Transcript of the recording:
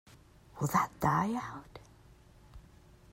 Will that die out?